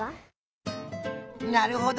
なるほど。